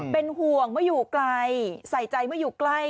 เป็นห่วงเมื่ออยู่ไกลใส่ใจเมื่ออยู่ใกล้